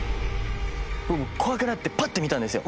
僕怖くなってバッて見たんですよ。